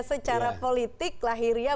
secara politik lahiriah batin ialah